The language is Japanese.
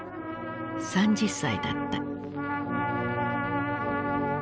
３０歳だった。